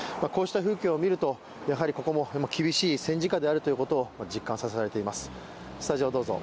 こうした風景を見ると、やはりここも厳しい戦時下であるということを実感させられています